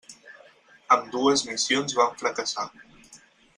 Ambdues missions van fracassar.